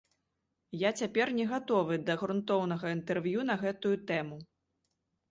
Я цяпер не гатовы да грунтоўнага інтэрв'ю на гэтую тэму.